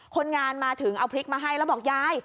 คนงานมาถึงเอาพริกมาให้แล้วบอกยาย